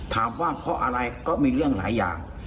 ถามว่าเพราะอะไรก็มีเรื่องหลายอย่าง